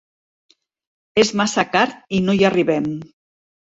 És massa car i no hi arribem.